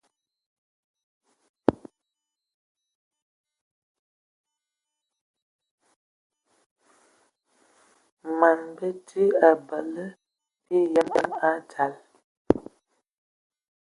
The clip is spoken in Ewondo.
Man bəti abələ biyəm a dzal.